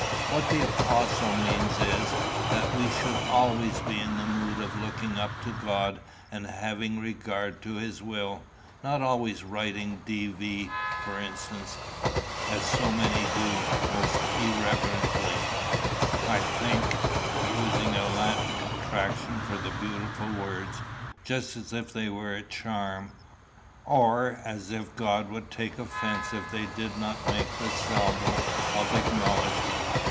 What the Apostle means is, that we should always be in the mood of looking up to God and having regard to his will, not always writing D.V. for instance, as so many do most irreverently, I think using a Latin contraction for the beautiful words, just as if they were a charm, or as if God would take offence if they did not make the salvo of acknowledgment.